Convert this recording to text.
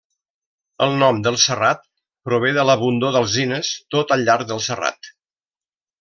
El nom del serrat prové de l'abundor d'alzines tot al llarg del serrat.